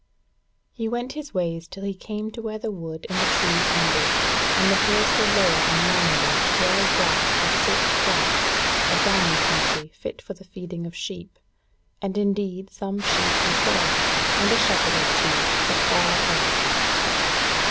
He went his ways till he came to where the wood and the trees ended, and the hills were lower and longer, well grassed with short grass, a down country fit for the feeding of sheep; and indeed some sheep he saw, and a shepherd or two, but far off.